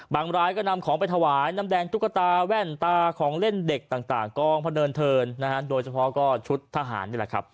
บางรายก็นำของไปถวายน้ำแดงตุ๊กตาแว่นตาของเล่นเด็กต่างก้องพระเนินเทิร์นโดยเฉพาะชุดทหาร